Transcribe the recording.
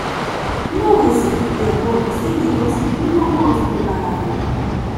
No uso de abonos químicos ni compost preparado.